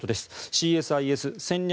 ＣＳＩＳ・戦略